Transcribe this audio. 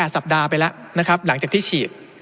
สัปดาห์ไปแล้วนะครับหลังจากที่ฉีด